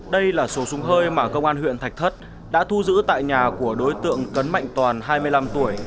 đây là số súng hơi mà công an huyện thạch thất đã thu giữ tại nhà của đối tượng cấn mạnh toàn hai mươi năm tuổi